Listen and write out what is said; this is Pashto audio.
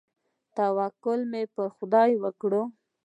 توکل مې پر خداى وکړ.